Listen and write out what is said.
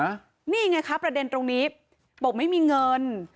นี่ไงคะประเด็นตรงนี้บอกไม่มีเงิน